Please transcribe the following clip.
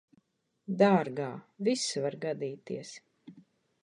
Dārgā, viss var gadīties.